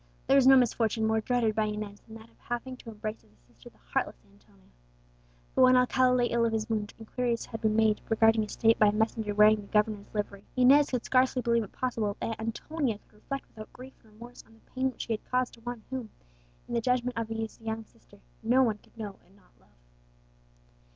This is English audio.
There was no misfortune more dreaded by Inez than that of having to embrace as a sister the heartless Antonia. But when Alcala lay ill of his wound, inquiries had been made regarding his state by a messenger wearing the governor's livery. Inez could scarcely believe it possible that Antonia could reflect without grief and remorse on the pain which she had caused to one whom, in the judgment of his young sister, no one could know and not love.